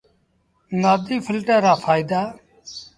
نآديٚ ڦلٽر رآ ڦآئيدآ۔